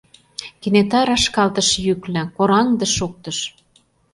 Кенета рашкалтыш йӱкла — «кораҥде!» — шоктыш.